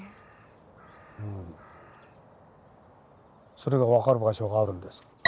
それが分かる場所があるんですか？